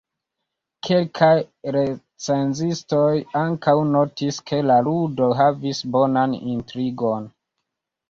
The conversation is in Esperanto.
Kelkaj recenzistoj ankaŭ notis ke la ludo havis bonan intrigon.